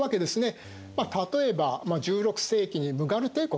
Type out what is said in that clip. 例えば１６世紀にムガル帝国。